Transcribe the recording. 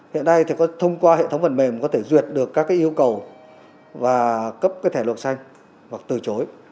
hiện nay thì có thông qua hệ thống phần mềm có thể duyệt được các yêu cầu và cấp thẻ lột xanh hoặc từ chối